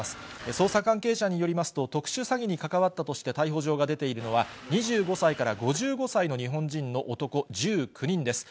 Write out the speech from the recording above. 捜査関係者によりますと、特殊詐欺に関わったとして、逮捕状が出ているのは、２５歳から５５歳の日本人の男１９人です。